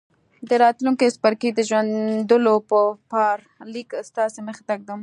د راتلونکي څپرکي د پېژندلو په پار ليک ستاسې مخې ته ږدم.